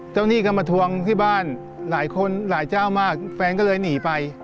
หนี้ก็มาทวงที่บ้านหลายคนหลายเจ้ามากแฟนก็เลยหนีไป